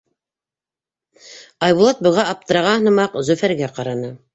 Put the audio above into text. Айбулат, быға аптыраған һымаҡ, Зөфәргә ҡараны: